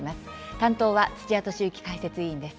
担当は土屋敏之解説委員です。